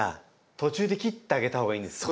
途中で切ってあげたほうがいいんですね。